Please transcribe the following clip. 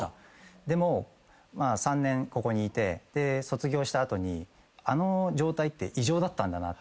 でも３年ここにいて卒業した後にあの状態って異常だったんだなと。